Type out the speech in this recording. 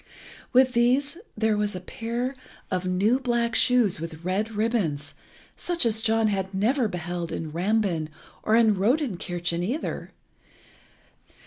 With these was a pair of new black shoes with red ribbons, such as John had never beheld in Rambin or in Rodinkirchen either.